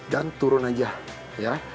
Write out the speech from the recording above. dan turun aja ya